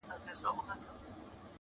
ما پر سترګو د ټولواک امر منلی-